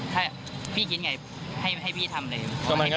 ถ้าพี่คิดไงให้พี่ทำเลย